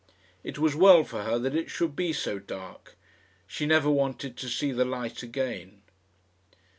It was well for her that it should be so dark. She never wanted to see the light again.